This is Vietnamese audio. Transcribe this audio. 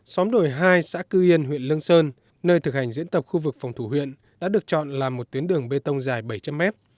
xóm đổi hai xã cư yên huyện lương sơn nơi thực hành diễn tập khu vực phòng thủ huyện đã được chọn là một tuyến đường bê tông dài bảy trăm linh mét